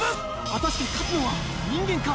果たして勝つのは人間か？